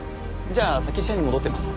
じゃあ先社に戻ってます。